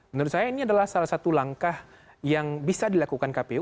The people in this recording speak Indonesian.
menurut saya ini adalah salah satu langkah yang bisa dilakukan kpu